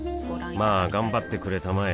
まあ頑張ってくれたまえ